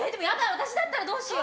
私だったらどうしよう。